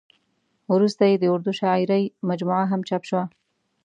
ورسته یې د اردو شاعرۍ مجموعه هم چاپ شوه.